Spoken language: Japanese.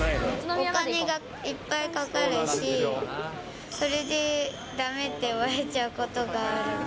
お金がいっぱいかかるし、それでだめって言われちゃうことがある。